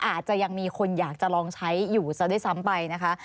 อาจจะยังมีคนอยากจะลองใช้อยู่ซะด้วยซ้ำไปนะคะ